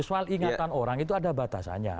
soal ingatan orang itu ada batasannya